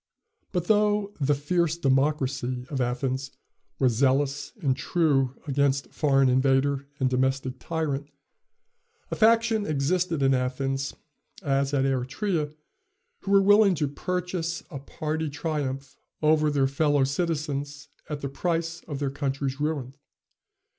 But though "the fierce democracy" of Athens was zealous and true against foreign invader and domestic tyrant, a faction existed in Athens, as at Eretria, who were willing to purchase a party triumph over their fellow citizens at the price of their country's ruin.